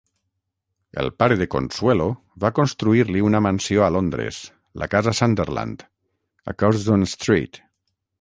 El pare de Consuelo va construir-li una mansió a Londres, la Casa Sunderland, a Curzon Street.